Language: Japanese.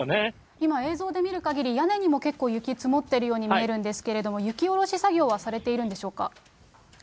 今、映像で見るかぎり、屋根にも結構、雪積もっているように見えるんですけれども、雪下ろし作業はされているんでしょうか。